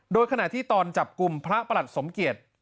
โดยขณะที่ตอนจับกลุ่มพระประหลัดสมเกียจ